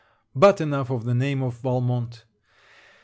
But enough of the name of Valmont.